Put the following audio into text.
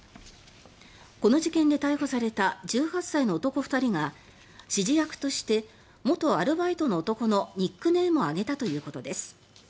この事件で逮捕された１８歳の男２人が指示役として元アルバイトの男のニックネームを挙げたということです。